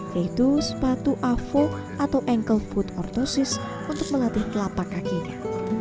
yaitu sepatu avok atau ankle foot orthosis untuk melatih kelapa kakinya